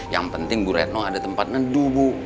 yang penting bu retno ada tempat nedu bu